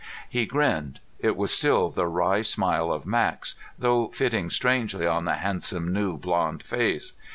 He grinned. It was still the wry smile of Max, though fitting strangely on the handsome new blond face.